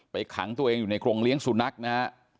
ขังตัวเองอยู่ในกรงเลี้ยงสุนัขนะฮะ